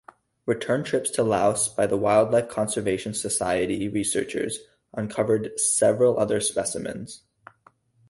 Return trips to Laos by the Wildlife Conservation Society researchers uncovered several other specimens.